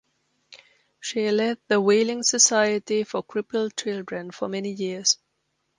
She led the Wheeling Society for Crippled Children for many years.